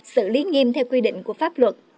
sự lý nghiêm theo quy định của pháp luật